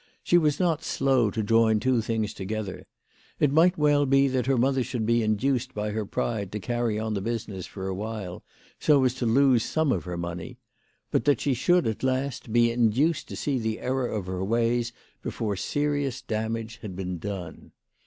She was not slow to join two things together. It might well be that her mother should be induced by her pride to carry on the business for a while, so as to lose some of her money, but that she should, at last, be induced to see the error of her ways before serious damage had been done.